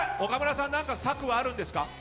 岡村さん何か策はあるんですか？